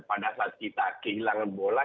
pada saat kita kehilangan bola